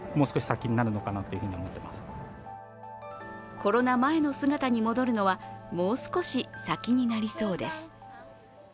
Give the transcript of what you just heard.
コロナ前の姿に戻るのはもう少し先になりそうです。